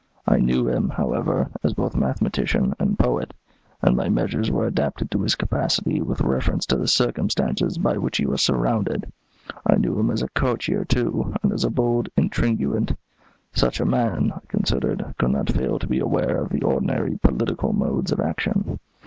I knew him, however, as both mathematician and poet, and my measures were adapted to his capacity with reference to the circumstances by which he was surrounded. I knew him as a courtier, too, and as a bold intriguant. Such a man, I considered, could not fail to be aware of the ordinary policial modes of action.